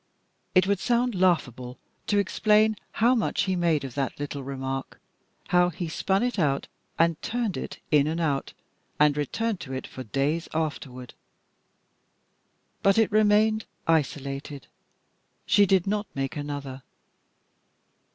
It would sound laughable to explain how much he made of that little remark, how he spun it out, and turned it in and out, and returned to it for days afterward. But it remained isolated. She did not make another.